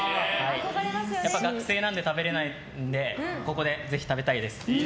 やっぱり学生なんで食べれないのでここでぜひ食べたいです。